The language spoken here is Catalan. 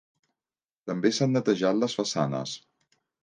També s'han netejat les façanes.